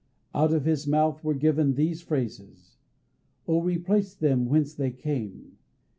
Out of His mouth were given These phrases. O replace them whence they came.